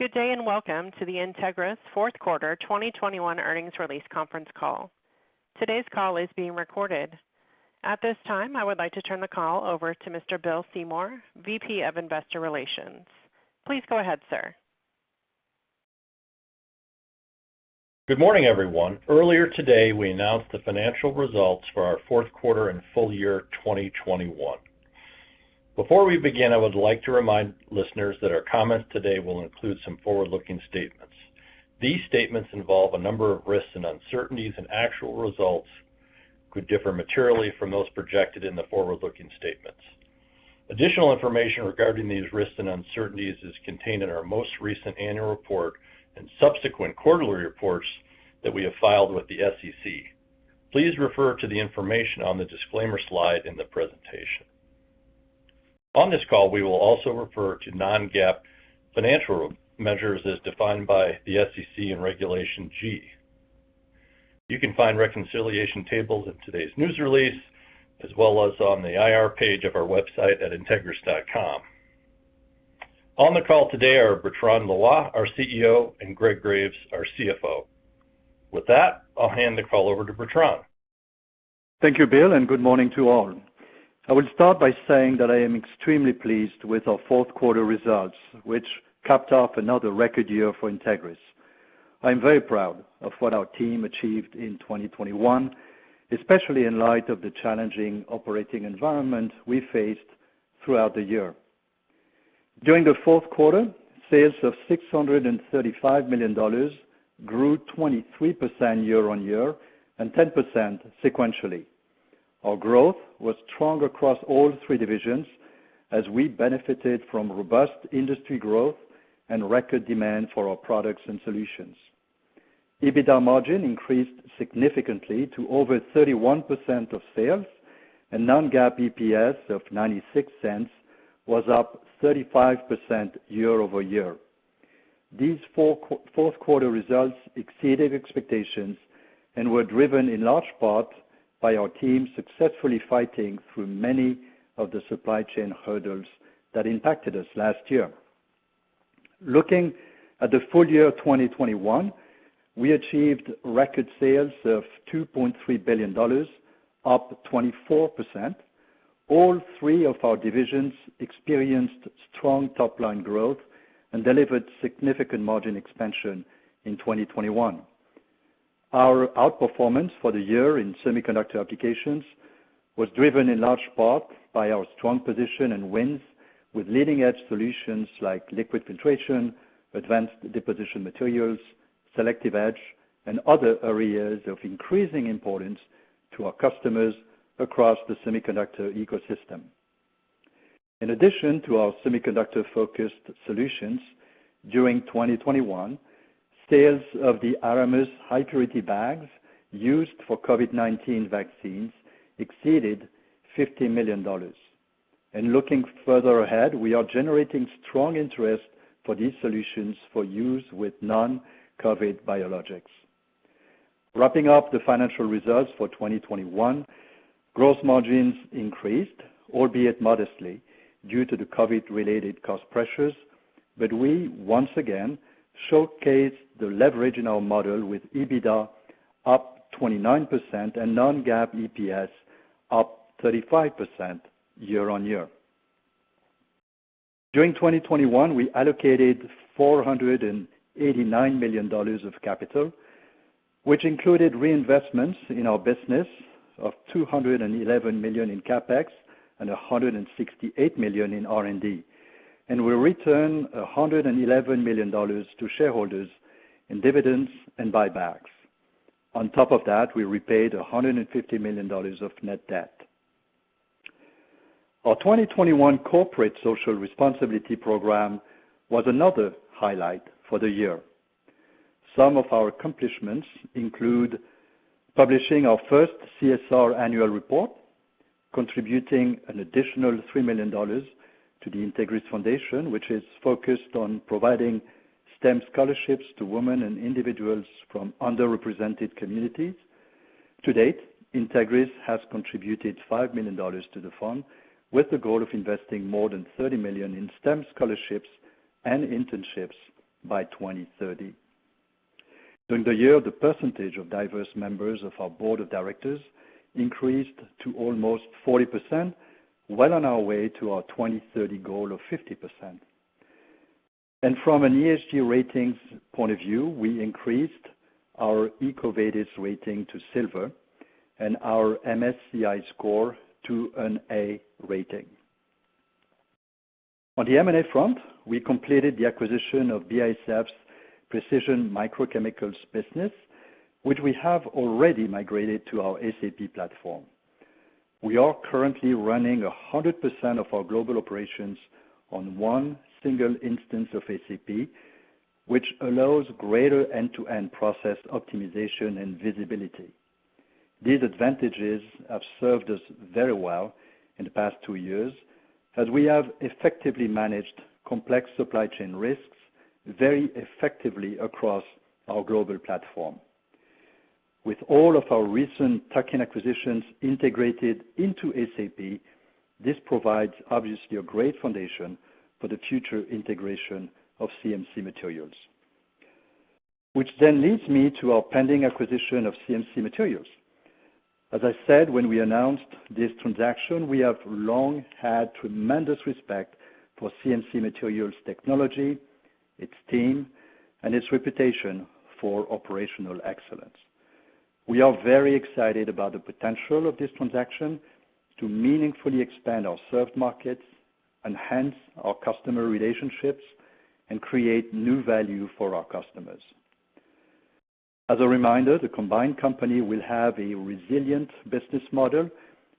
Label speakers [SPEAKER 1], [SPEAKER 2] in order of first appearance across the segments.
[SPEAKER 1] Good day, and welcome to the Entegris fourth quarter 2021 earnings release conference call. Today's call is being recorded. At this time, I would like to turn the call over to Mr. Bill Seymour, VP of Investor Relations. Please go ahead, sir.
[SPEAKER 2] Good morning, everyone. Earlier today, we announced the financial results for our fourth quarter and full year 2021. Before we begin, I would like to remind listeners that our comments today will include some forward-looking statements. These statements involve a number of risks and uncertainties, and actual results could differ materially from those projected in the forward-looking statements. Additional information regarding these risks and uncertainties is contained in our most recent annual report and subsequent quarterly reports that we have filed with the SEC. Please refer to the information on the disclaimer slide in the presentation. On this call, we will also refer to non-GAAP financial measures as defined by the SEC and Regulation G. You can find reconciliation tables in today's news release, as well as on the IR page of our website at entegris.com. On the call today are Bertrand Loy, our CEO, and Greg Graves, our CFO. With that, I'll hand the call over to Bertrand.
[SPEAKER 3] Thank you, Bill, and good morning to all. I would start by saying that I am extremely pleased with our fourth quarter results, which capped off another record year for Entegris. I'm very proud of what our team achieved in 2021, especially in light of the challenging operating environment we faced throughout the year. During the fourth quarter, sales of $635 million grew 23% year-over-year and 10% sequentially. Our growth was strong across all three divisions as we benefited from robust industry growth and record demand for our products and solutions. EBITDA margin increased significantly to over 31% of sales, and non-GAAP EPS of $0.96 was up 35% year-over-year. These fourth quarter results exceeded expectations and were driven in large part by our team successfully fighting through many of the supply chain hurdles that impacted us last year. Looking at the full year of 2021, we achieved record sales of $2.3 billion, up 24%. All three of our divisions experienced strong top-line growth and delivered significant margin expansion in 2021. Our outperformance for the year in semiconductor applications was driven in large part by our strong position and wins with leading-edge solutions like liquid filtration, advanced deposition materials, selective etch, and other areas of increasing importance to our customers across the semiconductor ecosystem. In addition to our semiconductor-focused solutions, during 2021, sales of the Aramus high purity bags used for COVID-19 vaccines exceeded $50 million. Looking further ahead, we are generating strong interest for these solutions for use with non-COVID biologics. Wrapping up the financial results for 2021, gross margins increased, albeit modestly, due to the COVID-related cost pressures. We once again showcased the leverage in our model with EBITDA up 29% and non-GAAP EPS up 35% year-on-year. During 2021, we allocated $489 million of capital, which included reinvestments in our business of $211 million in CapEx and $168 million in R&D. We returned $111 million to shareholders in dividends and buybacks. On top of that, we repaid $150 million of net debt. Our 2021 Corporate Social Responsibility program was another highlight for the year. Some of our accomplishments include publishing our first CSR annual report, contributing an additional $3 million to the Entegris Foundation, which is focused on providing STEM scholarships to women and individuals from underrepresented communities. To date, Entegris has contributed $5 million to the fund, with the goal of investing more than $30 million in STEM scholarships and internships by 2030. During the year, the percentage of diverse members of our board of directors increased to almost 40%, well on our way to our 2030 goal of 50%. From an ESG ratings point of view, we increased our EcoVadis rating to silver and our MSCI score to an A rating. On the M&A front, we completed the acquisition of BASF's Precision Microchemicals business, which we have already migrated to our SAP platform. We are currently running 100% of our global operations on one single instance of SAP, which allows greater end-to-end process optimization and visibility. These advantages have served us very well in the past two years as we have effectively managed complex supply chain risks very effectively across our global platform. With all of our recent tuck-in acquisitions integrated into SAP, this provides obviously a great foundation for the future integration of CMC Materials, which then leads me to our pending acquisition of CMC Materials. As I said when we announced this transaction, we have long had tremendous respect for CMC Materials technology, its team, and its reputation for operational excellence. We are very excited about the potential of this transaction to meaningfully expand our served markets, enhance our customer relationships, and create new value for our customers. As a reminder, the combined company will have a resilient business model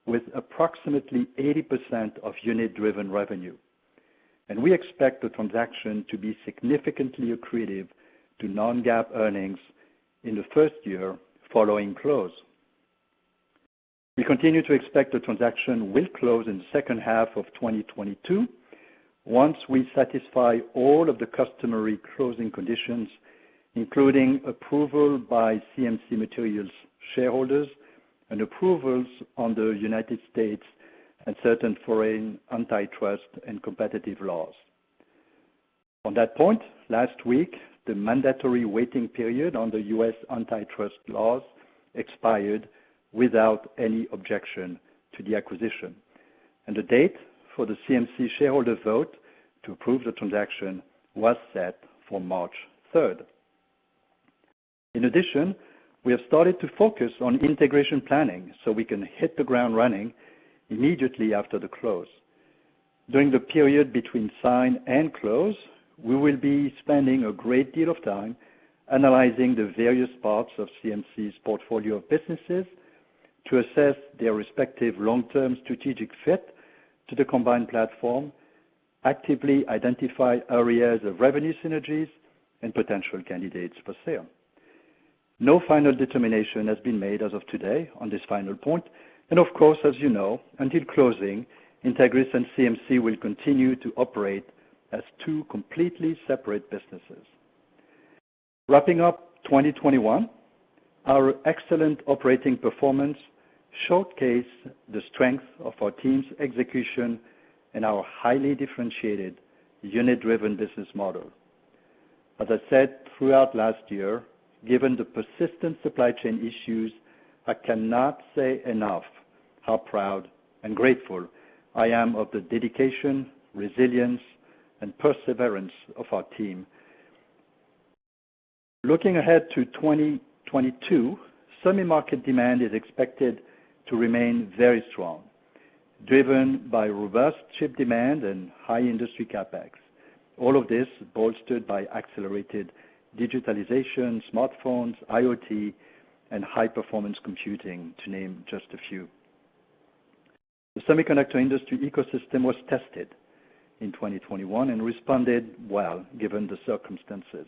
[SPEAKER 3] with approximately 80% of unit-driven revenue. We expect the transaction to be significantly accretive to non-GAAP earnings in the first year following close. We continue to expect the transaction will close in the second half of 2022 once we satisfy all of the customary closing conditions, including approval by CMC Materials shareholders and approvals on the United States and certain foreign antitrust and competitive laws. On that point, last week, the mandatory waiting period on the U.S. antitrust laws expired without any objection to the acquisition, and the date for the CMC shareholder vote to approve the transaction was set for March 3rd. In addition, we have started to focus on integration planning, so we can hit the ground running immediately after the close. During the period between sign and close, we will be spending a great deal of time analyzing the various parts of CMC's portfolio of businesses to assess their respective long-term strategic fit to the combined platform, actively identify areas of revenue synergies and potential candidates for sale. No final determination has been made as of today on this final point, and of course, as you know, until closing, Entegris and CMC will continue to operate as two completely separate businesses. Wrapping up 2021, our excellent operating performance showcased the strength of our team's execution and our highly differentiated unit-driven business model. As I said throughout last year, given the persistent supply chain issues, I cannot say enough how proud and grateful I am of the dedication, resilience, and perseverance of our team. Looking ahead to 2022, semi market demand is expected to remain very strong, driven by robust chip demand and high industry CapEx. All of this bolstered by accelerated digitalization, smartphones, IoT, and high-performance computing, to name just a few. The semiconductor industry ecosystem was tested in 2021 and responded well given the circumstances.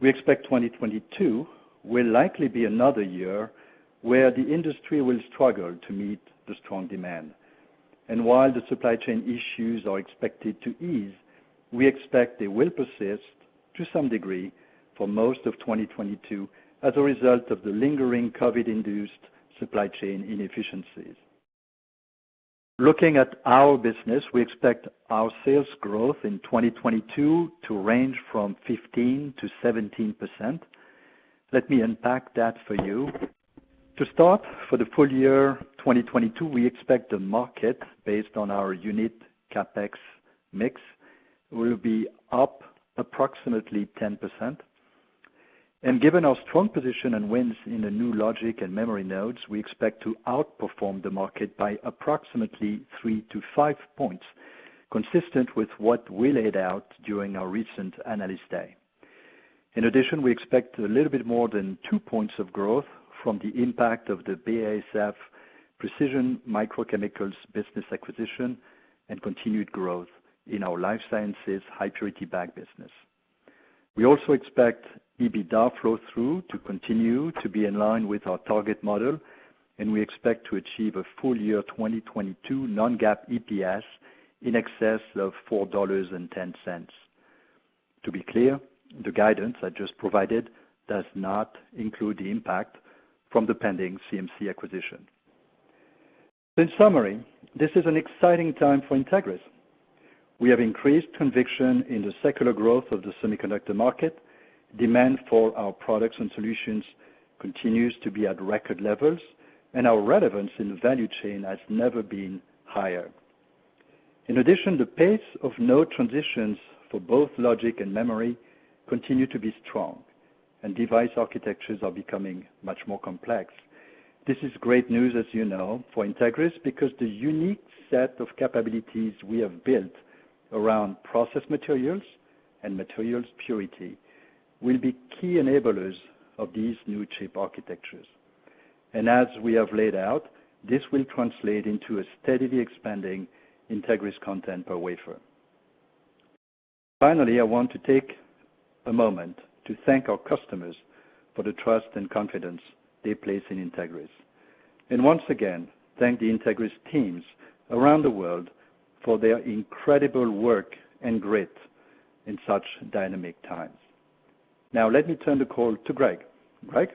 [SPEAKER 3] We expect 2022 will likely be another year where the industry will struggle to meet the strong demand. While the supply chain issues are expected to ease, we expect they will persist to some degree for most of 2022 as a result of the lingering COVID-induced supply chain inefficiencies. Looking at our business, we expect our sales growth in 2022 to range from 15%-17%. Let me unpack that for you. To start, for the full year 2022, we expect the market based on our unit CapEx mix will be up approximately 10%. Given our strong position and wins in the new logic and memory nodes, we expect to outperform the market by approximately three-five points, consistent with what we laid out during our recent Analyst Day. In addition, we expect a little bit more than two points of growth from the impact of the BASF Precision Microchemicals business acquisition and continued growth in our life sciences high-purity bag business. We also expect EBITDA flow-through to continue to be in line with our target model, and we expect to achieve a full year 2022 non-GAAP EPS in excess of $4.10. To be clear, the guidance I just provided does not include the impact from the pending CMC acquisition. In summary, this is an exciting time for Entegris. We have increased conviction in the secular growth of the semiconductor market. Demand for our products and solutions continues to be at record levels, and our relevance in the value chain has never been higher. In addition, the pace of node transitions for both logic and memory continue to be strong, and device architectures are becoming much more complex. This is great news, as you know, for Entegris because the unique set of capabilities we have built around process materials and materials purity will be key enablers of these new chip architectures. As we have laid out, this will translate into a steadily expanding Entegris content per wafer. Finally, I want to take a moment to thank our customers for the trust and confidence they place in Entegris. Once again, thank the Entegris teams around the world for their incredible work and grit in such dynamic times. Now, let me turn the call to Greg. Greg?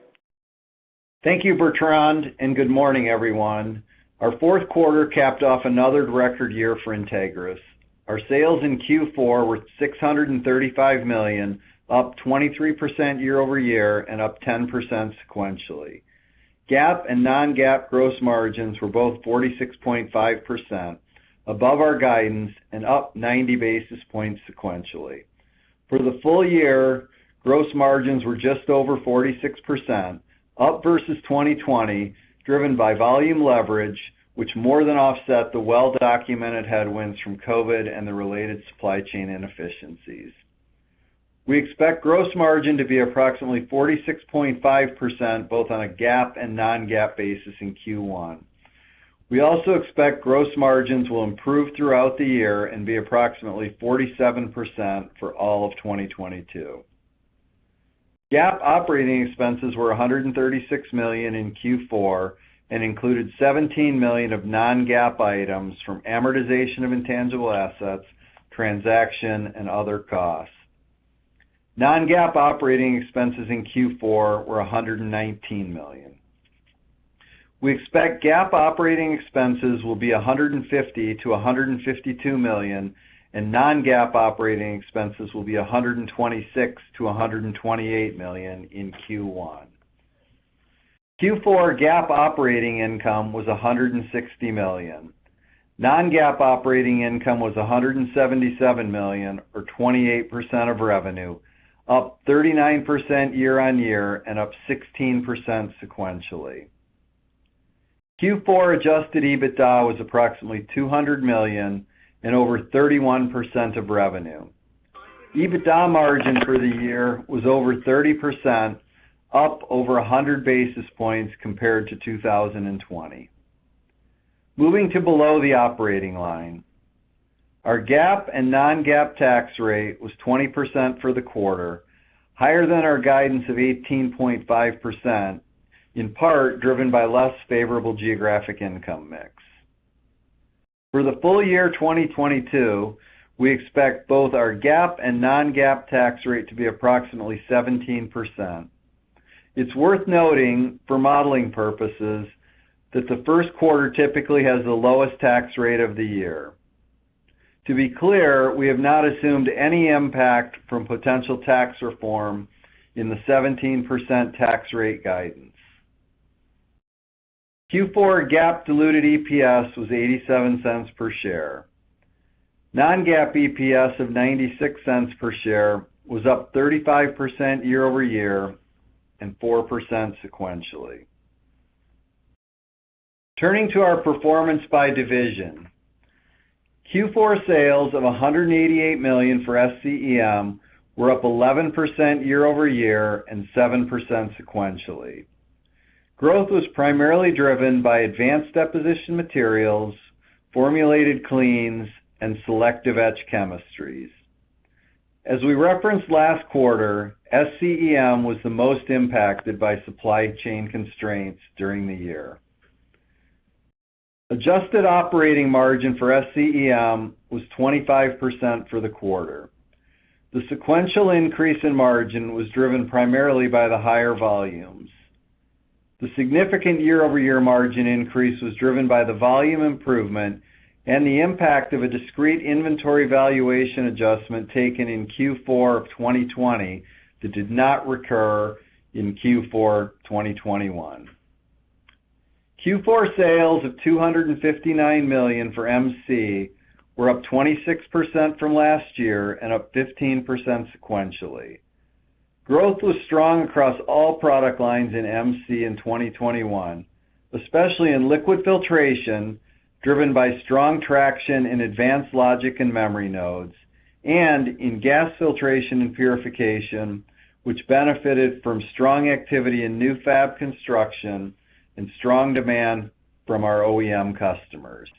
[SPEAKER 4] Thank you, Bertrand, and good morning, everyone. Our fourth quarter capped off another record year for Entegris. Our sales in Q4 were $635 million, up 23% year-over-year and up 10% sequentially. GAAP and non-GAAP gross margins were both 46.5%, above our guidance and up 90 basis points sequentially. For the full year, gross margins were just over 46%, up versus 2020, driven by volume leverage, which more than offset the well-documented headwinds from COVID and the related supply chain inefficiencies. We expect gross margin to be approximately 46.5%, both on a GAAP and non-GAAP basis in Q1. We also expect gross margins will improve throughout the year and be approximately 47% for all of 2022. GAAP operating expenses were $136 million in Q4 and included $17 million of non-GAAP items from amortization of intangible assets, transaction, and other costs. Non-GAAP operating expenses in Q4 were $119 million. We expect GAAP operating expenses will be $150-$152 million, and non-GAAP operating expenses will be $126-$128 million in Q1. Q4 GAAP operating income was $160 million. Non-GAAP operating income was $177 million or 28% of revenue, up 39% year on year and up 16% sequentially. Q4 adjusted EBITDA was approximately $200 million and over 31% of revenue. EBITDA margin for the year was over 30%, up over 100 basis points compared to 2020. Moving to below the operating line. Our GAAP and non-GAAP tax rate was 20% for the quarter, higher than our guidance of 18.5%, in part driven by less favorable geographic income mix. For the full year 2022, we expect both our GAAP and non-GAAP tax rate to be approximately 17%. It's worth noting for modeling purposes that the first quarter typically has the lowest tax rate of the year. To be clear, we have not assumed any impact from potential tax reform in the 17% tax rate guidance. Q4 GAAP diluted EPS was $0.87 per share. Non-GAAP EPS of $0.96 per share was up 35% year-over-year and 4% sequentially. Turning to our performance by division. Q4 sales of $188 million for SCEM were up 11% year-over-year and 7% sequentially. Growth was primarily driven by advanced deposition materials, formulated cleans, and selective etch chemistries. As we referenced last quarter, SCEM was the most impacted by supply chain constraints during the year. Adjusted operating margin for SCEM was 25% for the quarter. The sequential increase in margin was driven primarily by the higher volumes. The significant year-over-year margin increase was driven by the volume improvement and the impact of a discrete inventory valuation adjustment taken in Q4 of 2020 that did not recur in Q4 2021. Q4 sales of $259 million for MC were up 26% from last year and up 15% sequentially. Growth was strong across all product lines in MC in 2021, especially in liquid filtration, driven by strong traction in advanced logic and memory nodes, and in gas filtration and purification, which benefited from strong activity in new fab construction and strong demand from our OEM customers.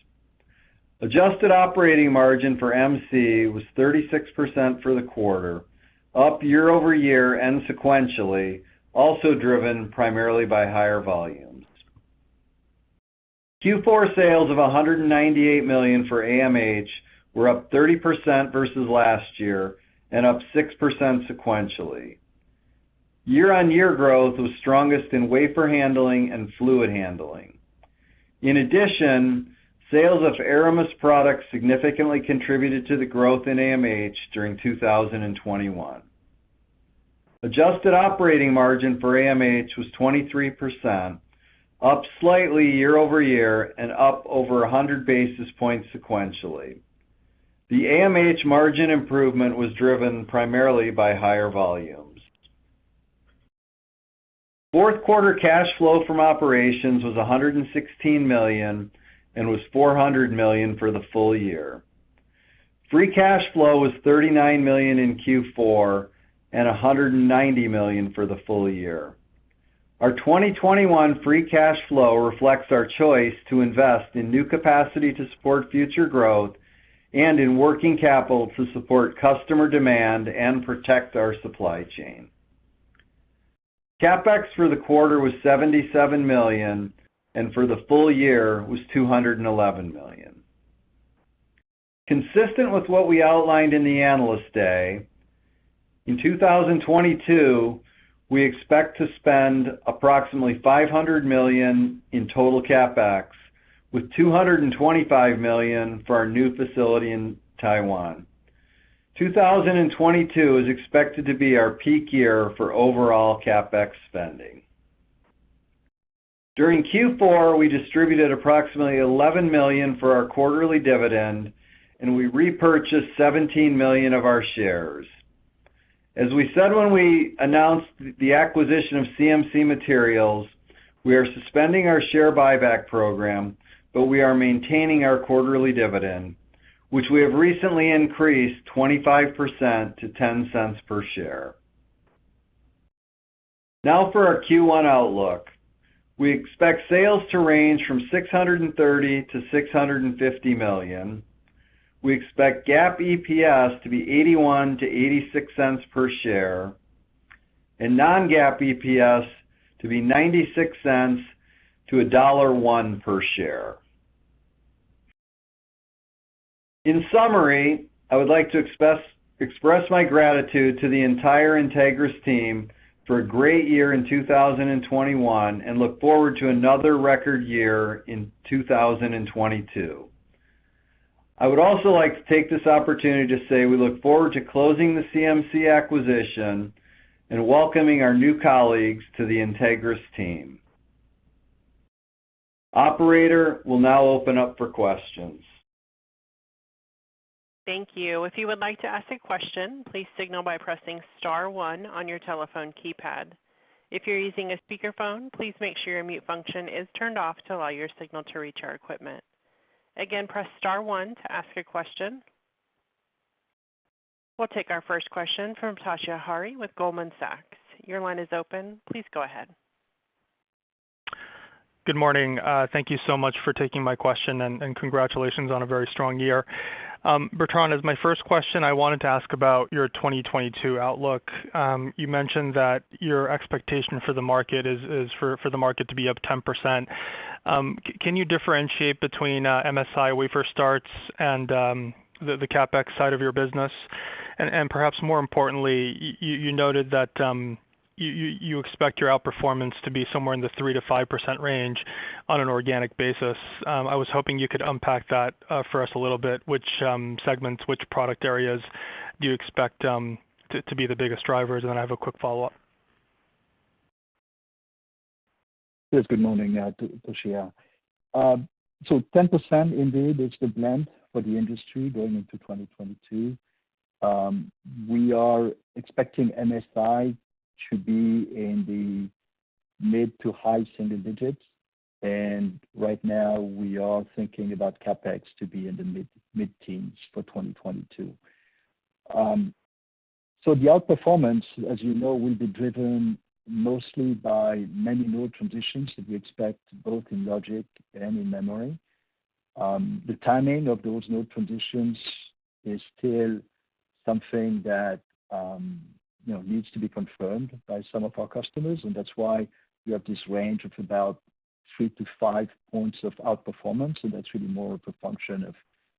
[SPEAKER 4] Adjusted operating margin for MC was 36% for the quarter, up year-over-year and sequentially, also driven primarily by higher volumes. Q4 sales of $198 million for AMH were up 30% versus last year and up 6% sequentially. Year-over-year growth was strongest in wafer handling and fluid handling. In addition, sales of Aramus products significantly contributed to the growth in AMH during 2021. Adjusted operating margin for AMH was 23%, up slightly year-over-year and up over 100 basis points sequentially. The AMH margin improvement was driven primarily by higher volumes. Fourth quarter cash flow from operations was $116 million and was $400 million for the full year. Free cash flow was $39 million in Q4 and $190 million for the full year. Our 2021 free cash flow reflects our choice to invest in new capacity to support future growth and in working capital to support customer demand and protect our supply chain. CapEx for the quarter was $77 million, and for the full year was $211 million. Consistent with what we outlined in the Analyst Day, in 2022, we expect to spend approximately $500 million in total CapEx, with $225 million for our new facility in Taiwan. 2022 is expected to be our peak year for overall CapEx spending. During Q4, we distributed approximately $11 million for our quarterly dividend, and we repurchased $17 million of our shares. As we said when we announced the acquisition of CMC Materials, we are suspending our share buyback program, but we are maintaining our quarterly dividend, which we have recently increased 25% to $0.10 per share. Now for our Q1 outlook. We expect sales to range from $630 million-$650 million. We expect GAAP EPS to be $0.81-$0.86 per share, and non-GAAP EPS to be $0.96-$1.01 per share. In summary, I would like to express my gratitude to the entire Entegris team for a great year in 2021, and look forward to another record year in 2022. I would also like to take this opportunity to say we look forward to closing the CMC acquisition and welcoming our new colleagues to the Entegris team. Operator, we'll now open up for questions.
[SPEAKER 1] Thank you. If you would like to ask a question, please signal by "pressing star one" on your telephone keypad. If you're using a speakerphone, please make sure your mute function is turned off to allow your signal to reach our equipment. Again, "press star one" to ask a question. We'll take our first question from Toshiya Hari with Goldman Sachs. Your line is open. Please go ahead.
[SPEAKER 5] Good morning. Thank you so much for taking my question, and congratulations on a very strong year. Bertrand, as my first question, I wanted to ask about your 2022 outlook. You mentioned that your expectation for the market is for the market to be up 10%. Can you differentiate between MSI wafer starts and the CapEx side of your business? And perhaps more importantly, you noted that you expect your outperformance to be somewhere in the 3%-5% range on an organic basis. I was hoping you could unpack that for us a little bit, which segments, which product areas do you expect to be the biggest drivers? I have a quick follow-up.
[SPEAKER 3] Yes. Good morning, Toshiya. 10% indeed is the blend for the industry going into 2022. We are expecting MSI to be in the mid- to high-single digits. Right now we are thinking about CapEx to be in the mid-teens for 2022. The outperformance, as you know, will be driven mostly by many node transitions that we expect both in logic and in memory. The timing of those node transitions is still something that you know needs to be confirmed by some of our customers, and that's why we have this range of about 3-5 points of outperformance, and that's really more of a function of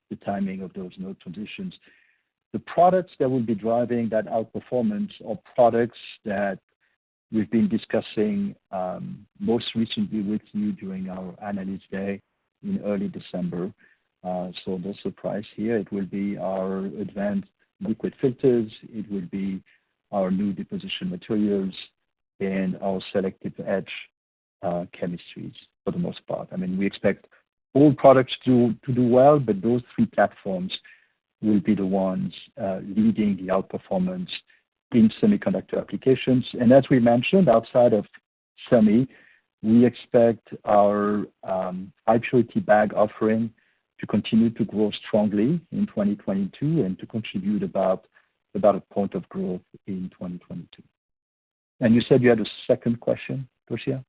[SPEAKER 3] the timing of those node transitions. The products that will be driving that outperformance are products that we've been discussing most recently with you during our Analyst Day in early December. No surprise here, it will be our advanced liquid filters, it will be our new deposition materials, and our selective etch chemistries for the most part. I mean, we expect all products to do well, but those three platforms will be the ones leading the outperformance in semiconductor applications. As we mentioned, outside of semi, we expect our high purity bag offering to continue to grow strongly in 2022 and to contribute about a point of growth in 2022. You said you had a second question, Toshiya?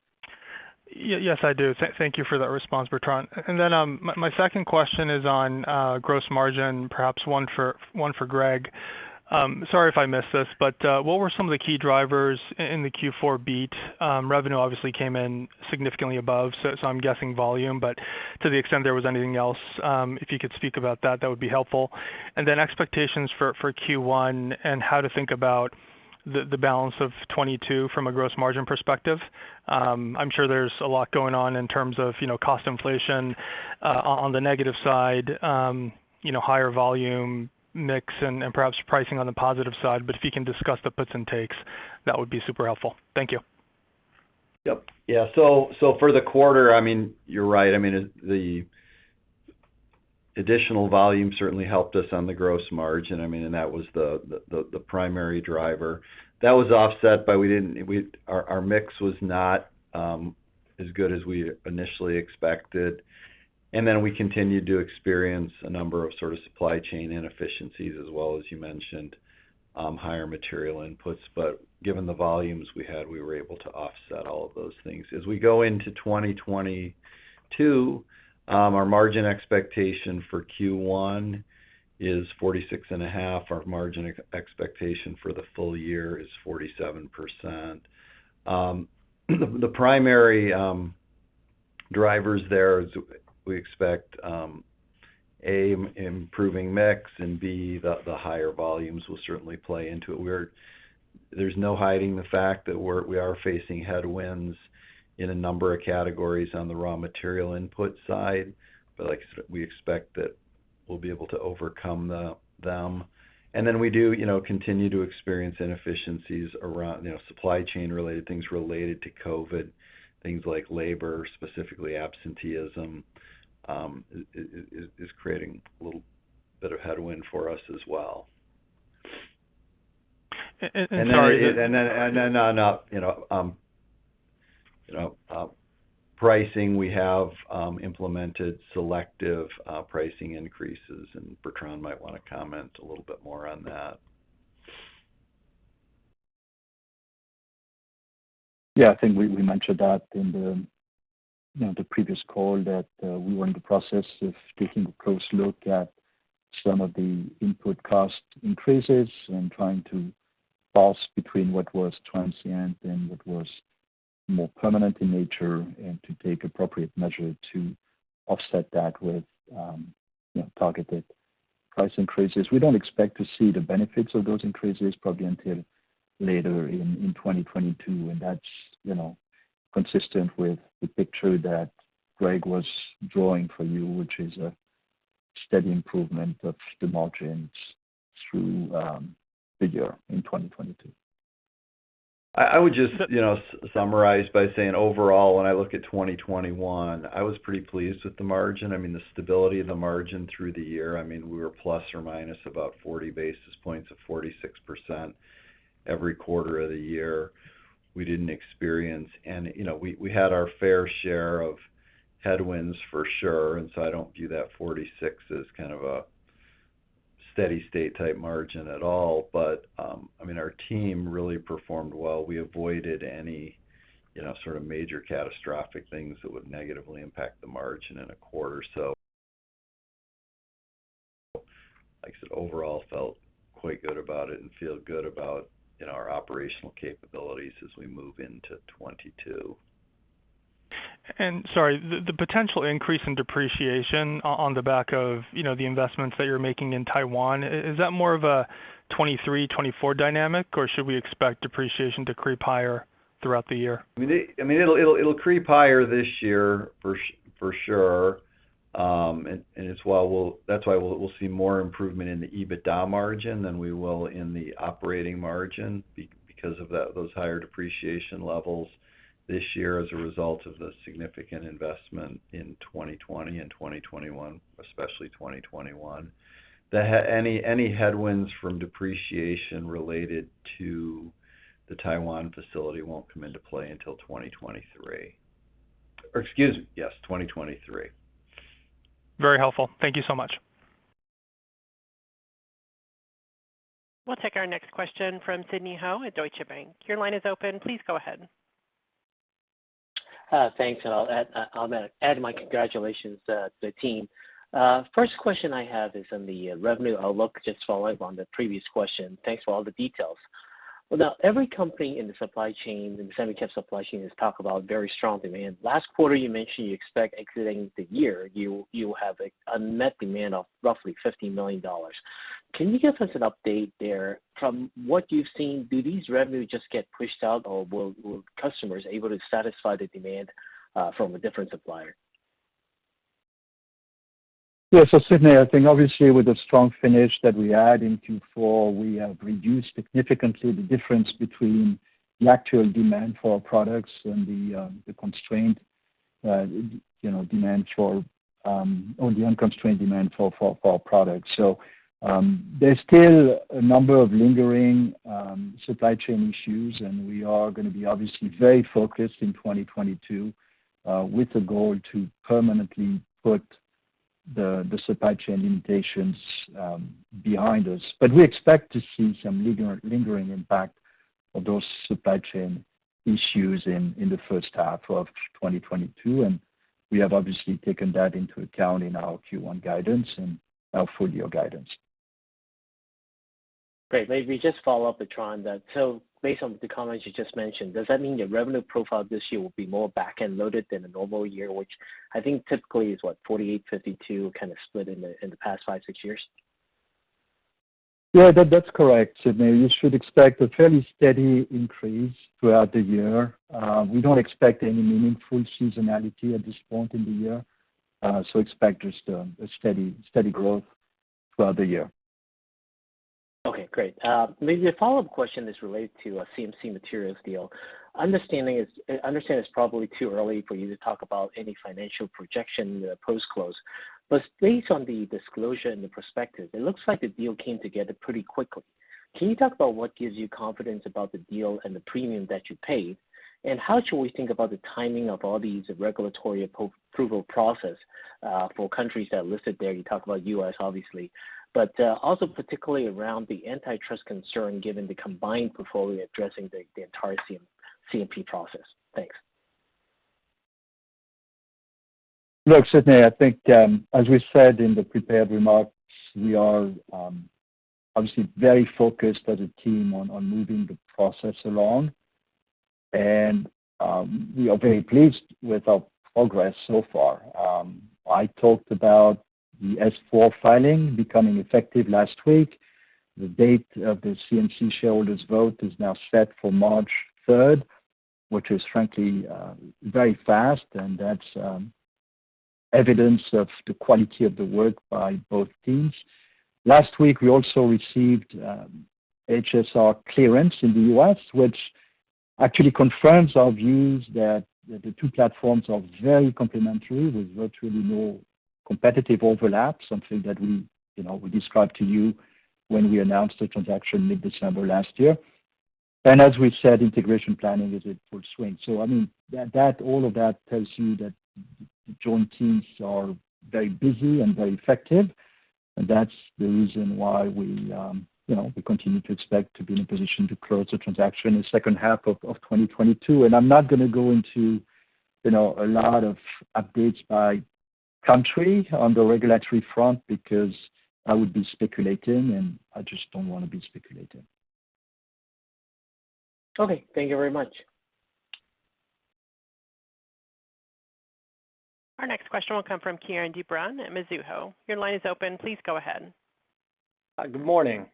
[SPEAKER 5] Yes, I do. Thank you for that response, Bertrand. My second question is on gross margin, perhaps one for Greg. Sorry if I missed this, but what were some of the key drivers in the Q4 beat? Revenue obviously came in significantly above, so I'm guessing volume, but to the extent there was anything else, if you could speak about that would be helpful. Expectations for Q1 and how to think about the balance of 2022 from a gross margin perspective. I'm sure there's a lot going on in terms of, you know, cost inflation on the negative side, you know, higher volume mix and perhaps pricing on the positive side. If you can discuss the puts and takes, that would be super helpful. Thank you.
[SPEAKER 4] For the quarter, I mean, you're right. I mean, the additional volume certainly helped us on the gross margin. I mean, that was the primary driver. That was offset by our mix was not as good as we initially expected. We continued to experience a number of sort of supply chain inefficiencies as well, as you mentioned, higher material inputs. But given the volumes we had, we were able to offset all of those things. As we go into 2022, our margin expectation for Q1 is 46.5%. Our margin expectation for the full year is 47%. The primary drivers there is we expect A, improving mix, and B, the higher volumes will certainly play into it. There's no hiding the fact that we are facing headwinds in a number of categories on the raw material input side. But like I said, we expect that we'll be able to overcome them. Then we do, you know, continue to experience inefficiencies around, you know, supply chain-related things related to COVID, things like labor, specifically absenteeism is creating a little bit of headwind for us as well.
[SPEAKER 5] Sorry.
[SPEAKER 4] You know, pricing, we have implemented selective pricing increases, and Bertrand might wanna comment a little bit more on that.
[SPEAKER 3] I think we mentioned that in you know, the previous call that we were in the process of taking a close look at some of the input cost increases and trying to parse between what was transient and what was more permanent in nature, and to take appropriate measure to offset that with you know, targeted price increases. We don't expect to see the benefits of those increases probably until later in 2022, and that's you know, consistent with the picture that Greg was drawing for you, which is a steady improvement of the margins through the year in 2022.
[SPEAKER 4] I would just, you know, summarize by saying overall, when I look at 2021, I was pretty pleased with the margin. I mean, the stability of the margin through the year, I mean, we were ±40 basis points of 46% every quarter of the year. We didn't experience. You know, we had our fair share of headwinds for sure, and so I don't view that 46 as kind of a steady state type margin at all. I mean, our team really performed well. We avoided any, you know, sort of major catastrophic things that would negatively impact the margin in a quarter or so. Like I said, overall felt quite good about it and feel good about, you know, our operational capabilities as we move into 2022.
[SPEAKER 5] Sorry, the potential increase in depreciation on the back of, you know, the investments that you're making in Taiwan, is that more of a 2023, 2024 dynamic, or should we expect depreciation to creep higher throughout the year?
[SPEAKER 4] I mean, it'll creep higher this year for sure. It's why we'll see more improvement in the EBITDA margin than we will in the operating margin because of those higher depreciation levels this year as a result of the significant investment in 2020 and 2021, especially 2021. Any headwinds from depreciation related to the Taiwan facility won't come into play until 2023. Or excuse me, yes, 2023.
[SPEAKER 5] Very helpful. Thank you so much.
[SPEAKER 1] We'll take our next question from Sidney Ho at Deutsche Bank. Your line is open. Please go ahead.
[SPEAKER 6] Thanks, and I'll add my congratulations to the team. First question I have is on the revenue outlook, just follow-up on the previous question. Thanks for all the details. Now, every company in the supply chain, the semiconductor supply chain, has talked about very strong demand. Last quarter you mentioned you expect exiting the year, you have unmet demand of roughly $50 million. Can you give us an update there? From what you've seen, do these revenue just get pushed out, or will customers able to satisfy the demand from a different supplier?
[SPEAKER 3] Sidney, I think obviously with the strong finish that we had in Q4, we have reduced significantly the difference between the actual demand for our products and the constrained you know demand for, or the unconstrained demand for our products. There's still a number of lingering supply chain issues, and we are gonna be obviously very focused in 2022 with the goal to permanently put the supply chain limitations behind us. We expect to see some lingering impact of those supply chain issues in the first half of 2022, and we have obviously taken that into account in our Q1 guidance and our full year guidance.
[SPEAKER 6] Great. Let me just follow up, Bertrand. So based on the comments you just mentioned, does that mean your revenue profile this year will be more back-end loaded than a normal year, which I think typically is, what, 48-52 kind of split in the past five, six years?
[SPEAKER 3] That's correct, Sidney. You should expect a fairly steady increase throughout the year. We don't expect any meaningful seasonality at this point in the year, so expect just a steady growth throughout the year.
[SPEAKER 6] Okay, great. Maybe a follow-up question is related to CMC Materials deal. I understand it's probably too early for you to talk about any financial projection post-close. Based on the disclosure and the perspective, it looks like the deal came together pretty quickly. Can you talk about what gives you confidence about the deal and the premium that you paid? How should we think about the timing of all these regulatory approval process for countries that are listed there? You talked about U.S. obviously, but also particularly around the antitrust concern given the combined portfolio addressing the entire CMP process. Thanks.
[SPEAKER 3] Look, Sidney, I think, as we said in the prepared remarks, we are obviously very focused as a team on moving the process along. We are very pleased with our progress so far. I talked about the S-4 filing becoming effective last week. The date of the CMC shareholders vote is now set for March third, which is frankly very fast, and that's evidence of the quality of the work by both teams. Last week, we also received HSR clearance in the U.S., which actually confirms our views that the two platforms are very complementary with virtually no competitive overlap, something that we, you know, we described to you when we announced the transaction mid-December last year. As we said, integration planning is in full swing. I mean, that all of that tells you that joint teams are very busy and very effective. That's the reason why we continue to expect to be in a position to close the transaction in second half of 2022. I'm not gonna go into a lot of updates by country on the regulatory front because I would be speculating, and I just don't wanna be speculating.
[SPEAKER 6] Okay, thank you very much.
[SPEAKER 1] Our next question will come from Vijay Rakesh at Mizuho. Your line is open. Please go ahead.
[SPEAKER 7] Good morning.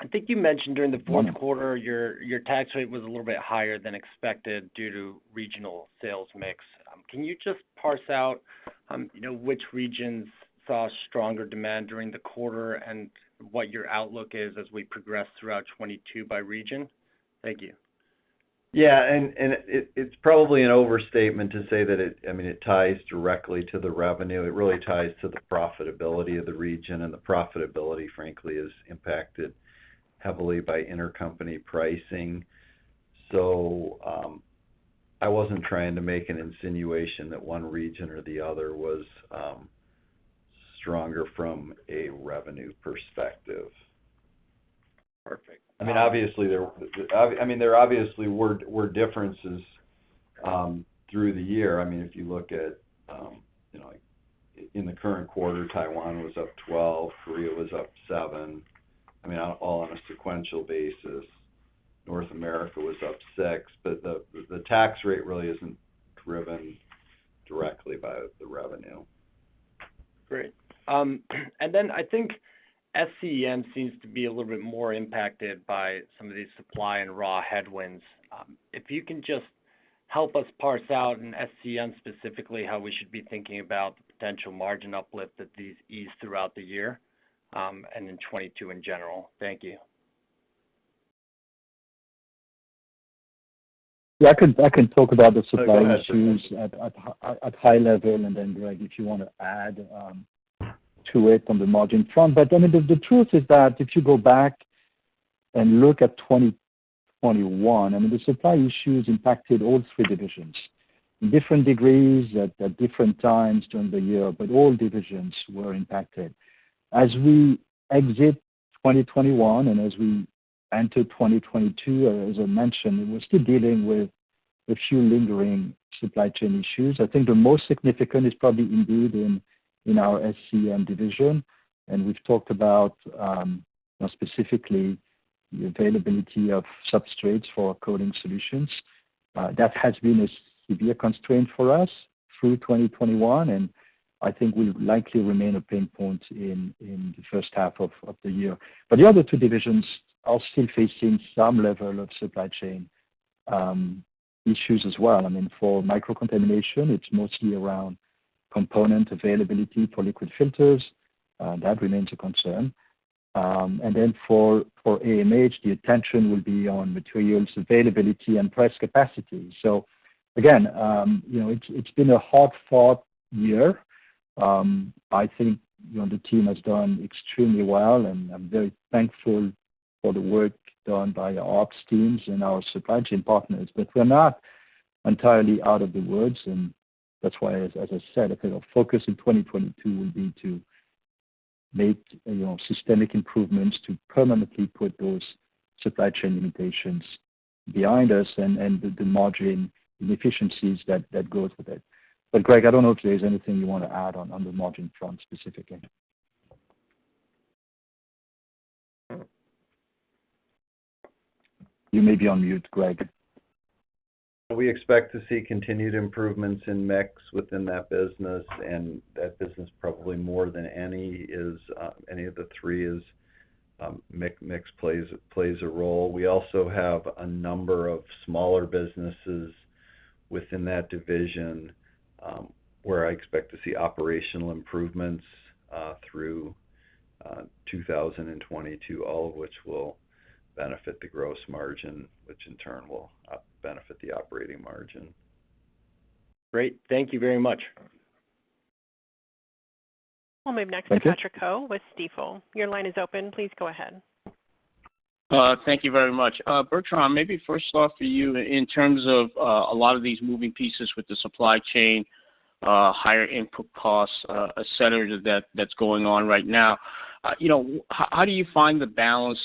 [SPEAKER 7] I think you mentioned during the fourth quarter your tax rate was a little bit higher than expected due to regional sales mix. Can you just parse out, you know, which regions saw stronger demand during the quarter and what your outlook is as we progress throughout 2022 by region? Thank you.
[SPEAKER 4] It's probably an overstatement. I mean, it ties directly to the revenue. It really ties to the profitability of the region, and the profitability, frankly, is impacted heavily by intercompany pricing. I wasn't trying to make an insinuation that one region or the other was stronger from a revenue perspective.
[SPEAKER 7] Perfect.
[SPEAKER 4] I mean, obviously, there obviously were differences through the year. I mean, if you look at, you know, in the current quarter, Taiwan was up 12%, Korea was up 7%. I mean, all on a sequential basis. North America was up 6%. But the tax rate really isn't driven directly by the revenue.
[SPEAKER 7] Great. I think SCEM seems to be a little bit more impacted by some of these supply and raw headwinds. If you can just help us parse out in SCEM specifically how we should be thinking about the potential margin uplift that these ease throughout the year, and in 2022 in general. Thank you.
[SPEAKER 3] I can talk about the supply issues.
[SPEAKER 4] No, go ahead....
[SPEAKER 3] at high level, and then, Greg, if you wanna add to it on the margin front. I mean, the truth is that if you go back and look at 2021, I mean, the supply issues impacted all three divisions in different degrees at different times during the year, but all divisions were impacted. As we exit 2021, and as we enter 2022, as I mentioned, we're still dealing with a few lingering supply chain issues. I think the most significant is probably indeed in our SCEM division, and we've talked about you know, specifically the availability of substrates for our coating solutions. That has been a severe constraint for us through 2021, and I think will likely remain a pain point in the first half of the year. The other two divisions are still facing some level of supply chain issues as well. I mean, for micro contamination, it's mostly around component availability for liquid filters. That remains a concern. Then for AMH, the attention will be on materials availability and press capacity. Again, you know, it's been a hard-fought year. I think, you know, the team has done extremely well, and I'm very thankful for the work done by our ops teams and our supply chain partners. We're not entirely out of the woods, and that's why, as I said, our focus in 2022 will be to make, you know, systemic improvements to permanently put those supply chain limitations behind us and the margin inefficiencies that goes with it. Greg, I don't know if there's anything you wanna add on the margin front specifically. You may be on mute, Greg.
[SPEAKER 4] We expect to see continued improvements in mix within that business, and that business probably more than any of the three is mix plays a role. We also have a number of smaller businesses within that division, where I expect to see operational improvements through 2022, all of which will benefit the gross margin, which in turn will benefit the operating margin.
[SPEAKER 7] Great. Thank you very much.
[SPEAKER 1] We'll move next to Patrick Ho with Stifel. Your line is open. Please go ahead.
[SPEAKER 8] Thank you very much. Bertrand, maybe first off for you in terms of a lot of these moving pieces with the supply chain, higher input costs, et cetera, that's going on right now. You know, how do you find the balance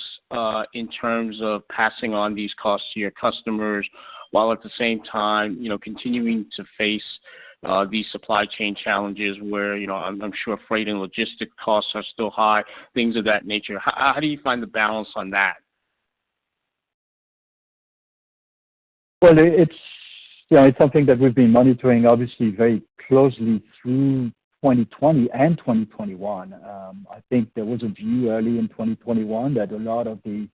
[SPEAKER 8] in terms of passing on these costs to your customers while at the same time, you know, continuing to face these supply chain challenges where, you know, I'm sure freight and logistics costs are still high, things of that nature. How do you find the balance on that?
[SPEAKER 3] Well, you know, it's something that we've been monitoring obviously very closely through 2020 and 2021. I think there was a view early in 2021 that a lot of the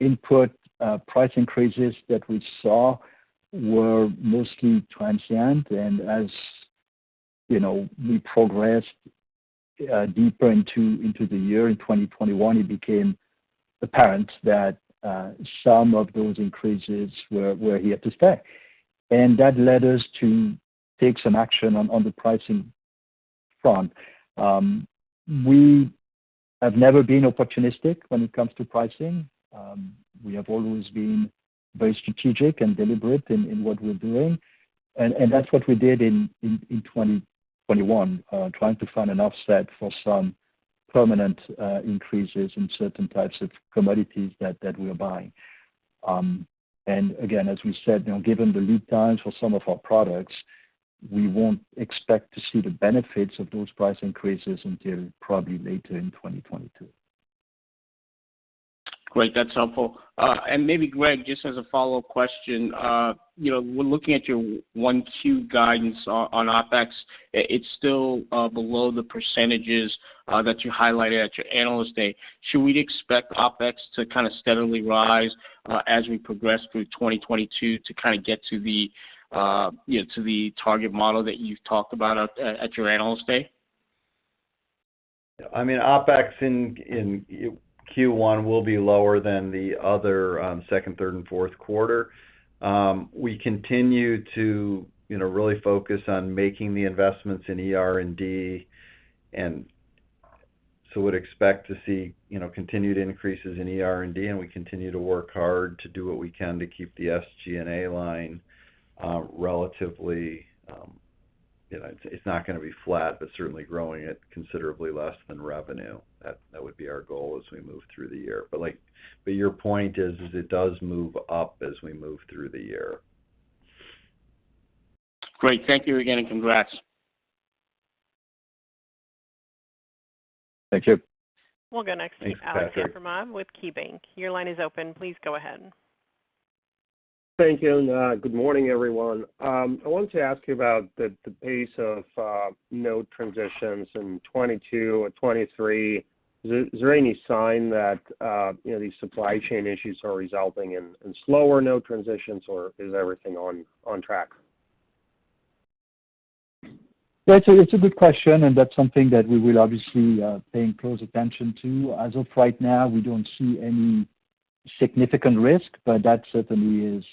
[SPEAKER 3] input price increases that we saw were mostly transient. As you know, we progressed deeper into the year in 2021, it became apparent that some of those increases were here to stay. That led us to take some action on the pricing front. We have never been opportunistic when it comes to pricing. We have always been very strategic and deliberate in what we're doing. That's what we did in 2021, trying to find an offset for some permanent increases in certain types of commodities that we're buying. As we said, you know, given the lead times for some of our products, we won't expect to see the benefits of those price increases until probably later in 2022.
[SPEAKER 8] Great. That's helpful. Maybe Greg, just as a follow-up question, you know, when looking at your 1Q guidance on OpEx, it's still below the percentages that you highlighted at your Analyst Day. Should we expect OpEx to kind of steadily rise as we progress through 2022 to kind of get to the target model that you've talked about at your Analyst Day?
[SPEAKER 4] I mean, OpEx in Q1 will be lower than the other second, third, and fourth quarter. We continue to, you know, really focus on making the investments in R&D. Would expect to see, you know, continued increases in R&D, and we continue to work hard to do what we can to keep the SG&A line, relatively, you know. It's not gonna be flat, but certainly growing at considerably less than revenue. That would be our goal as we move through the year. Your point is, it does move up as we move through the year.
[SPEAKER 8] Great. Thank you again, and congrats.
[SPEAKER 4] Thank you.
[SPEAKER 1] We'll go next to.
[SPEAKER 3] Thanks, Patrick.
[SPEAKER 1] Aleksey Yefremov with KeyBanc. Your line is open. Please go ahead.
[SPEAKER 9] Thank you, and good morning, everyone. I wanted to ask you about the pace of node transitions in 2022 and 2023. Is there any sign that you know these supply chain issues are resulting in slower node transitions, or is everything on track?
[SPEAKER 3] It's a good question, and that's something that we will obviously be paying close attention to. As of right now, we don't see any significant risk, but that certainly is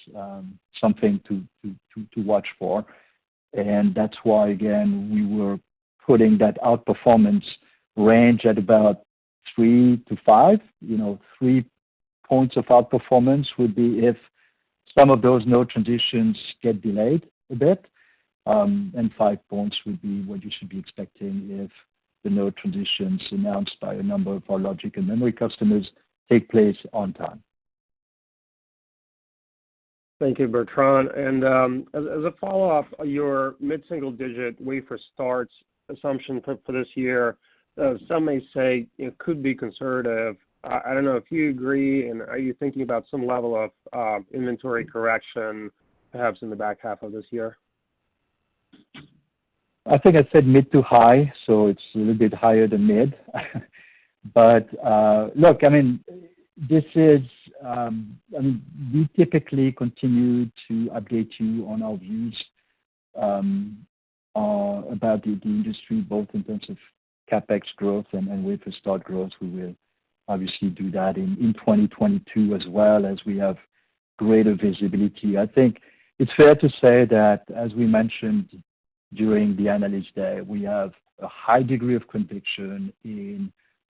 [SPEAKER 3] something to watch for. That's why, again, we were putting that outperformance range at about 3-5. You know, three points of outperformance would be if some of those node transitions get delayed a bit, and five points would be what you should be expecting if the node transitions announced by a number of our logic and memory customers take place on time.
[SPEAKER 9] Thank you, Bertrand. As a follow-up, your mid-single digit wafer starts assumption for this year, some may say it could be conservative. I don't know if you agree, and are you thinking about some level of inventory correction perhaps in the back half of this year?
[SPEAKER 3] I think I said mid to high, so it's a little bit higher than mid. Look, I mean, we typically continue to update you on our views about the industry, both in terms of CapEx growth and wafer start growth. We will obviously do that in 2022 as well as we have greater visibility. I think it's fair to say that, as we mentioned during the Analyst Day, we have a high degree of conviction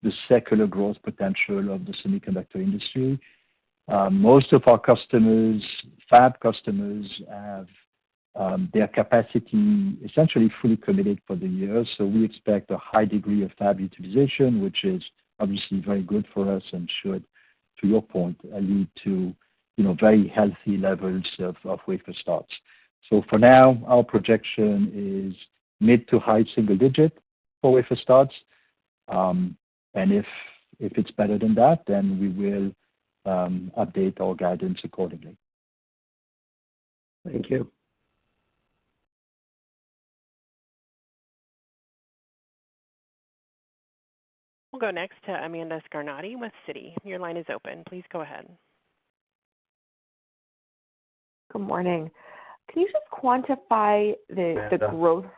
[SPEAKER 3] in the secular growth potential of the semiconductor industry. Most of our customers, fab customers have their capacity essentially fully committed for the year. So we expect a high degree of fab utilization, which is obviously very good for us and should, to your point, lead to, you know, very healthy levels of wafer starts. For now, our projection is mid- to high-single-digit for wafer starts. If it's better than that, then we will update our guidance accordingly.
[SPEAKER 9] Thank you.
[SPEAKER 1] We'll go next to Amanda Scarnati with Citi. Your line is open. Please go ahead.
[SPEAKER 10] Good morning. Can you just quantify the-
[SPEAKER 3] Amanda?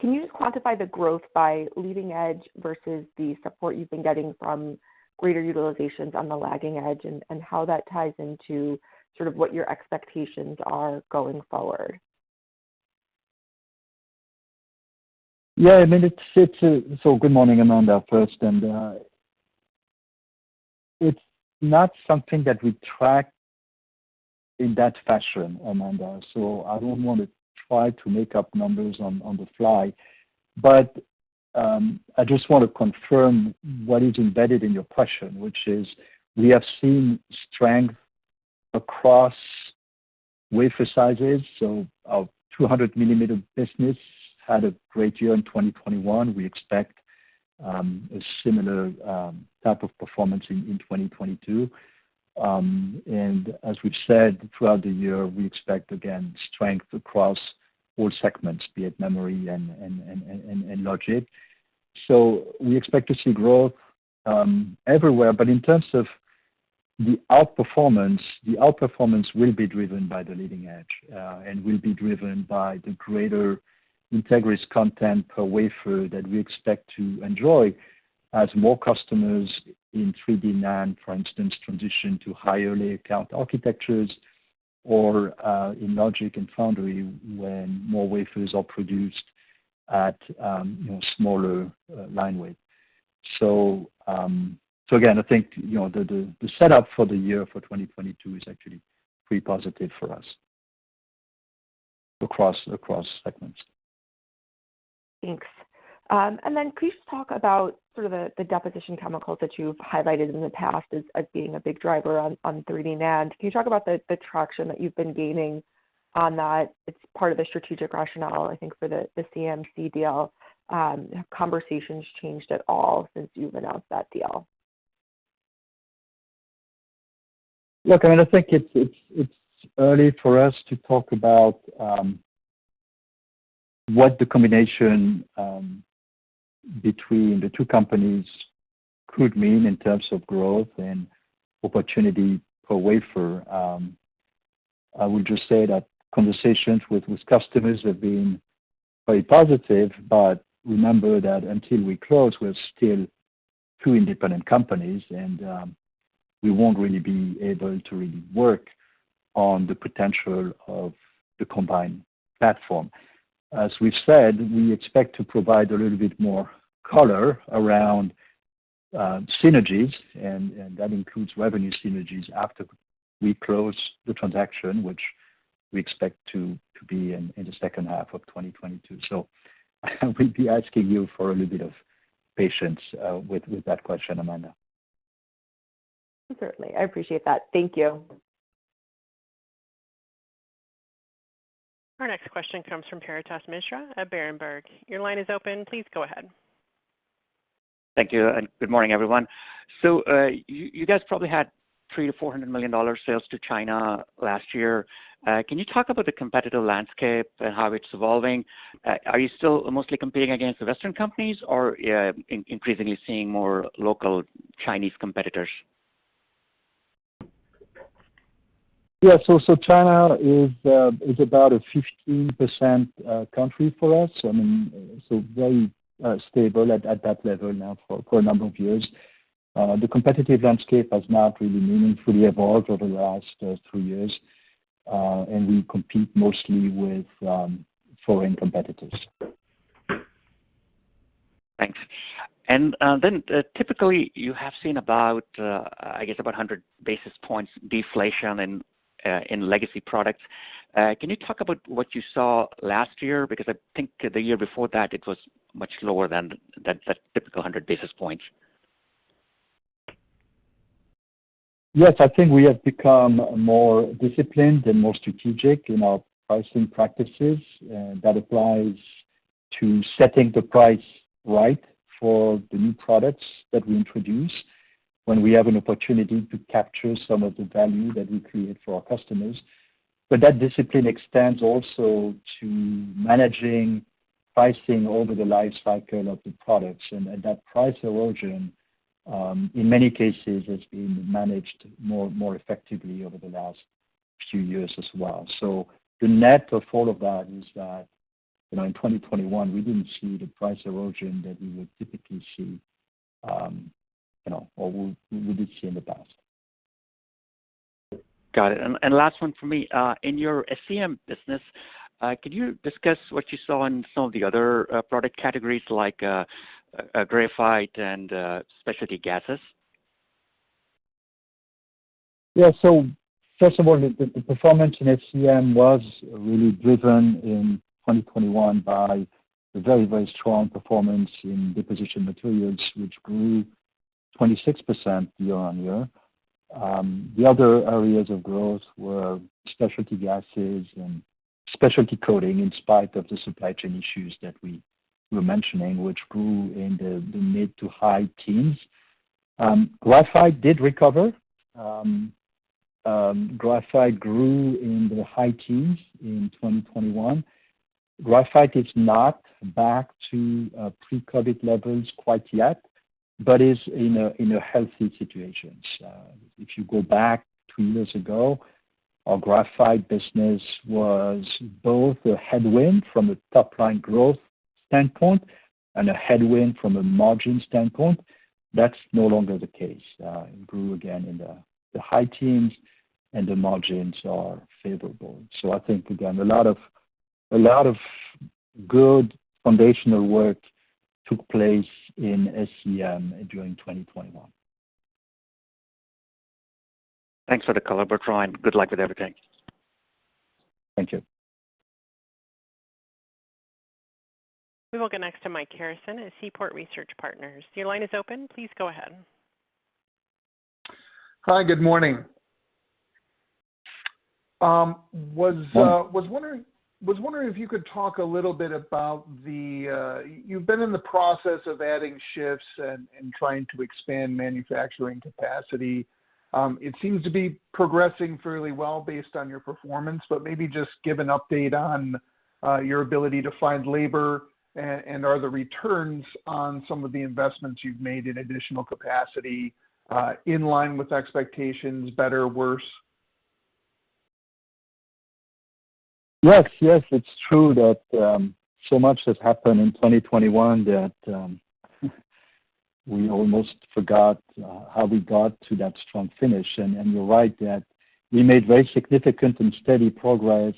[SPEAKER 10] Can you just quantify the growth by leading edge versus the support you've been getting from greater utilizations on the lagging edge and how that ties into sort of what your expectations are going forward?
[SPEAKER 3] Good morning, Amanda, first. It's not something that we track in that fashion, Amanda, so I don't wanna try to make up numbers on the fly. I just wanna confirm what is embedded in your question, which is we have seen strength across wafer sizes. Our 200 millimeter business had a great year in 2021. We expect a similar type of performance in 2022. As we've said throughout the year, we expect again strength across all segments, be it memory and logic. We expect to see growth everywhere. In terms of the outperformance, the outperformance will be driven by the leading edge and will be driven by the greater Entegris content per wafer that we expect to enjoy as more customers in 3D NAND, for instance, transition to higher layer count architectures or in logic and foundry when more wafers are produced at you know smaller line width. So again I think you know the setup for the year for 2022 is actually pretty positive for us across segments.
[SPEAKER 10] Thanks. And then could you talk about sort of the deposition chemicals that you've highlighted in the past as being a big driver on 3D NAND? Can you talk about the traction that you've been gaining on that? It's part of the strategic rationale, I think, for the CMC deal. Have conversations changed at all since you've announced that deal?
[SPEAKER 3] Look, I mean, I think it's early for us to talk about what the combination between the two companies could mean in terms of growth and opportunity per wafer. I would just say that conversations with customers have been very positive, but remember that until we close, we're still two independent companies and we won't really be able to work on the potential of the combined platform. As we've said, we expect to provide a little bit more color around synergies and that includes revenue synergies after we close the transaction, which we expect to be in the second half of 2022. I will be asking you for a little bit of patience with that question, Amanda.
[SPEAKER 10] Certainly. I appreciate that. Thank you.
[SPEAKER 1] Our next question comes from Paretosh Misra at Berenberg. Your line is open. Please go ahead.
[SPEAKER 11] Thank you, and good morning, everyone. You guys probably had $300 million-$400 million sales to China last year. Can you talk about the competitive landscape and how it's evolving? Are you still mostly competing against the Western companies or increasingly seeing more local Chinese competitors?
[SPEAKER 3] China is about a 15% country for us. I mean, very stable at that level now for a number of years. The competitive landscape has not really meaningfully evolved over the last three years, and we compete mostly with foreign competitors.
[SPEAKER 11] Thanks. Typically, you have seen about, I guess, about 100 basis points deflation in legacy products. Can you talk about what you saw last year? Because I think the year before that, it was much lower than that typical 100 basis points.
[SPEAKER 3] Yes. I think we have become more disciplined and more strategic in our pricing practices, and that applies to setting the price right for the new products that we introduce when we have an opportunity to capture some of the value that we create for our customers. That discipline extends also to managing pricing over the life cycle of the products. That price erosion, in many cases, has been managed more effectively over the last few years as well. The net of all of that is that, you know, in 2021, we didn't see the price erosion that we would typically see, you know, or we did see in the past.
[SPEAKER 11] Got it. Last one for me. In your SCEM business, could you discuss what you saw in some of the other product categories like graphite and specialty gases?
[SPEAKER 3] Yeah. First of all, the performance in SCEM was really driven in 2021 by the very, very strong performance in deposition materials, which grew 26% year-on-year. The other areas of growth were specialty gases and specialty coatings in spite of the supply chain issues that we were mentioning, which grew in the mid- to high teams. Graphite did recover. Graphite grew in the high teams in 2021. Graphite is not back to pre-COVID levels quite yet, but is in a healthy situation. If you go back two years ago, our graphite business was both a headwind from a top-line growth standpoint and a headwind from a margin standpoint, that's no longer the case. It grew again in the high teams and the margins are favorable. I think again, a lot of good foundational work took place in SCEM during 2021.
[SPEAKER 11] Thanks for the color, Bertrand. Good luck with everything.
[SPEAKER 3] Thank you.
[SPEAKER 1] We will go next to Mike Harrison at Seaport Research Partners. Your line is open. Please go ahead.
[SPEAKER 12] Hi. Good morning. I was wondering if you could talk a little bit about the you've been in the process of adding shifts and trying to expand manufacturing capacity. It seems to be progressing fairly well based on your performance, but maybe just give an update on your ability to find labor. Are the returns on some of the investments you've made in additional capacity in line with expectations, better or worse?
[SPEAKER 3] Yes, yes. It's true that so much has happened in 2021 that we almost forgot how we got to that strong finish. You're right that we made very significant and steady progress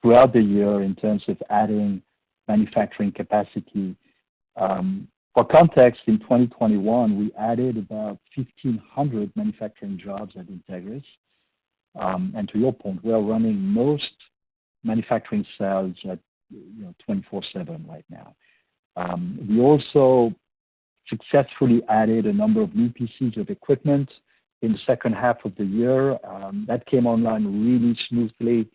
[SPEAKER 3] throughout the year in terms of adding manufacturing capacity. For context, in 2021, we added about 1,500 manufacturing jobs at Entegris. To your point, we are running most manufacturing cells at, you know, 24/7 right now. We also successfully added a number of new pieces of equipment in the second half of the year that came online really smoothly.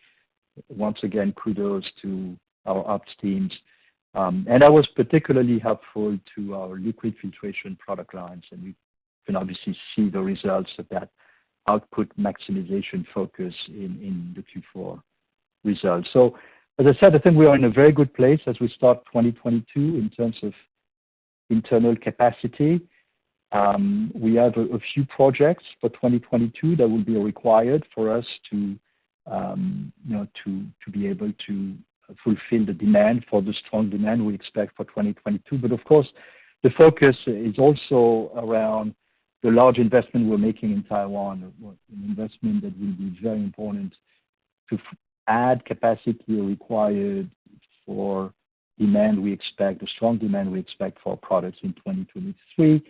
[SPEAKER 3] Once again, kudos to our ops teams. That was particularly helpful to our liquid filtration product lines, and you can obviously see the results of that output maximization focus in the Q4 results. As I said, I think we are in a very good place as we start 2022 in terms of internal capacity. We have a few projects for 2022 that will be required for us to be able to fulfill the demand for the strong demand we expect for 2022. Of course, the focus is also around the large investment we're making in Taiwan, an investment that will be very important to add capacity required for demand we expect, the strong demand we expect for our products in 2023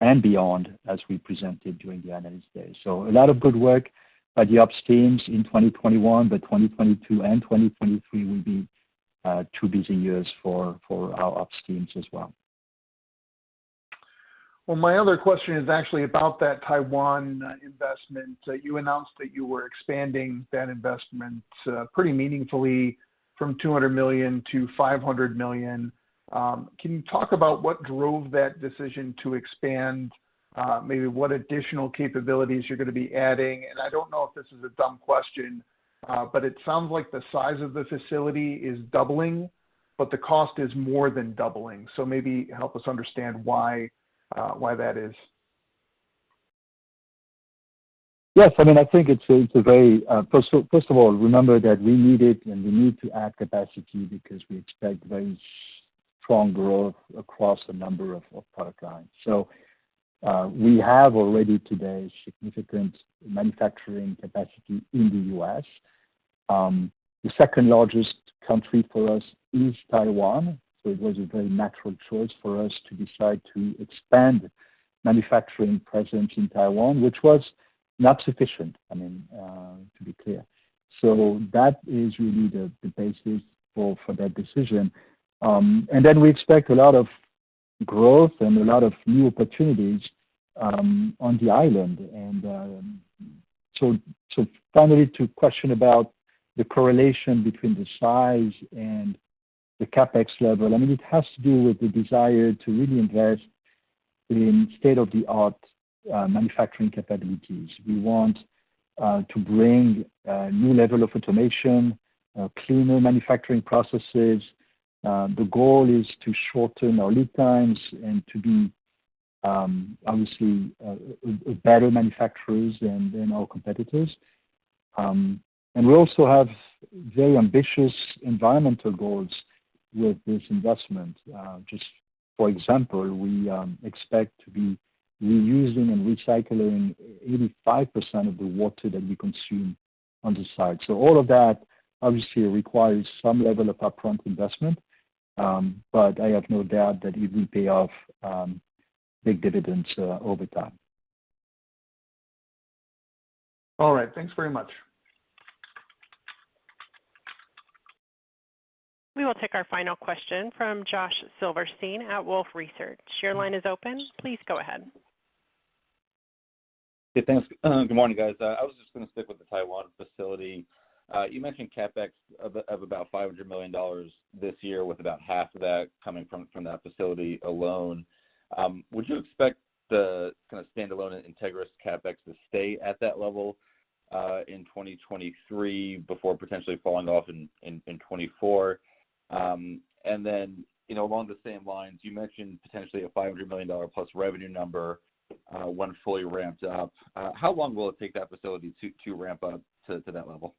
[SPEAKER 3] and beyond, as we presented during the Analyst Day. A lot of good work by the ops teams in 2021, but 2022 and 2023 will be two busy years for our ops teams as well.
[SPEAKER 12] Well, my other question is actually about that Taiwan investment. You announced that you were expanding that investment pretty meaningfully from $200 million-$500 million. Can you talk about what drove that decision to expand, maybe what additional capabilities you're gonna be adding? I don't know if this is a dumb question, but it sounds like the size of the facility is doubling, but the cost is more than doubling. Maybe help us understand why that is.
[SPEAKER 3] Yes. I mean, first of all, remember that we needed and we need to add capacity because we expect very strong growth across a number of product lines. So, we have already to date significant manufacturing capacity in the U.S. The second-largest country for us is Taiwan, so it was a very natural choice for us to decide to expand manufacturing presence in Taiwan, which was not sufficient, I mean, to be clear. So that is really the basis for that decision. And then we expect a lot of growth and a lot of new opportunities on the island. So finally to the question about the correlation between the size and the CapEx level, I mean, it has to do with the desire to really invest in state-of-the-art manufacturing capabilities. We want to bring a new level of automation, cleaner manufacturing processes. The goal is to shorten our lead times and to be obviously better manufacturers than our competitors. We also have very ambitious environmental goals with this investment. Just for example, we expect to be reusing and recycling 85% of the water that we consume on the site. All of that obviously requires some level of upfront investment, but I have no doubt that it will pay off big dividends over time.
[SPEAKER 12] All right. Thanks very much.
[SPEAKER 1] We will take our final question from Josh Silverstein at Wolfe Research. Your line is open. Please go ahead.
[SPEAKER 13] Thanks. Good morning, guys. I was just gonna stick with the Taiwan facility. You mentioned CapEx of about $500 million this year, with about half of that coming from that facility alone. Would you expect the kind of standalone Entegris CapEx to stay at that level in 2023 before potentially falling off in 2024? You know, along the same lines, you mentioned potentially a +$500 million revenue number when fully ramped up. How long will it take that facility to ramp up to that level?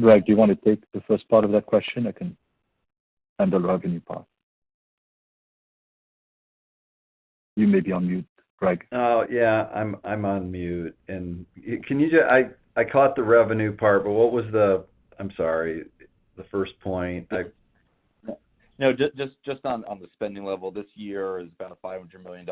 [SPEAKER 3] Greg, do you want to take the first part of that question? I can handle the revenue part. You may be on mute, Greg.
[SPEAKER 4] Oh, yeah. I'm on mute. I caught the revenue part, but what was the, I'm sorry, the first point? I-
[SPEAKER 13] No, just on the spending level. This year is about $500 million,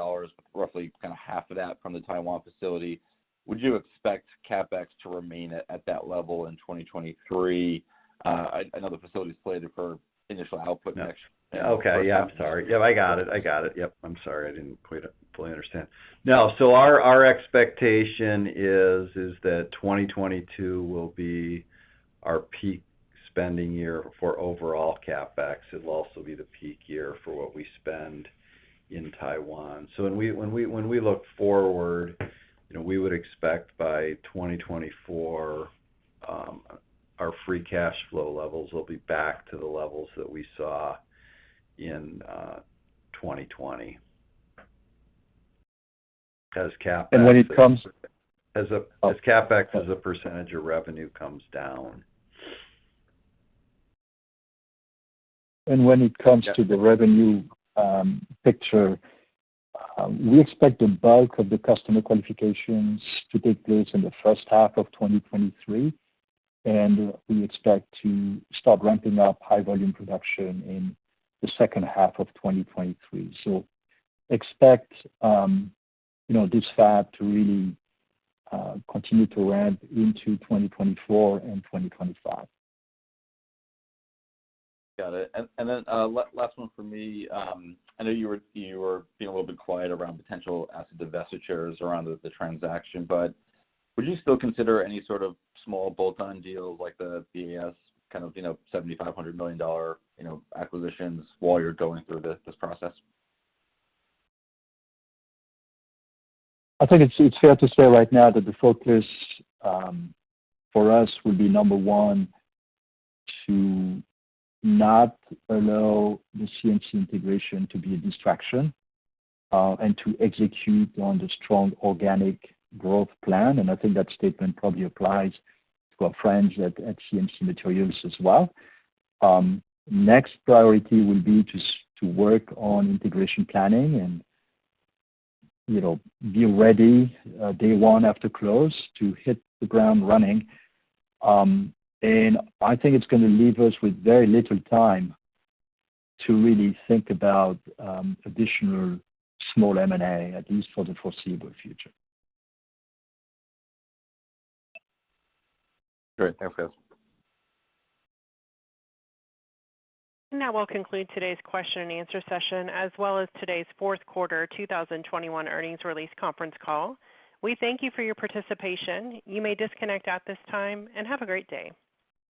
[SPEAKER 13] roughly kind of half of that from the Taiwan facility. Would you expect CapEx to remain at that level in 2023? I know the facility's slated for initial output next-
[SPEAKER 4] Okay. Yeah, I'm sorry. Yeah, I got it. Yep, I'm sorry. I didn't quite fully understand. No, our expectation is that 2022 will be our peak spending year for overall CapEx. It'll also be the peak year for what we spend in Taiwan. When we look forward, you know, we would expect by 2024, our free cash flow levels will be back to the levels that we saw in 2020. As CapEx
[SPEAKER 3] When it comes
[SPEAKER 4] As CapEx as a percentage of revenue comes down.
[SPEAKER 3] When it comes to the revenue picture, we expect the bulk of the customer qualifications to take place in the first half of 2023, and we expect to start ramping up high volume production in the second half of 2023. Expect, you know, this fab to really continue to ramp into 2024 and 2025.
[SPEAKER 13] Got it. Then last one from me. I know you were being a little bit quiet around potential asset divestitures around the transaction, but would you still consider any sort of small bolt-on deals like the BASF kind of, you know, $75,000 million acquisitions while you are going through this process?
[SPEAKER 3] I think it's fair to say right now that the focus for us would be number one, to not allow the CMC integration to be a distraction and to execute on the strong organic growth plan. I think that statement probably applies to our friends at CMC Materials as well. Next priority will be to work on integration planning and you know, be ready day one after close to hit the ground running. I think it's gonna leave us with very little time to really think about additional small M&A, at least for the foreseeable future.
[SPEAKER 13] Great. Thanks, guys.
[SPEAKER 1] That will conclude today's question and answer session, as well as today's fourth quarter 2021 earnings release conference call. We thank you for your participation. You may disconnect at this time, and have a great day.